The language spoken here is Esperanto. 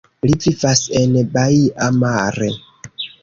Li vivas en Baia Mare.